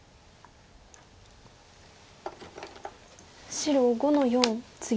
白５の四ツギ。